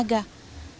kadang harus berpikir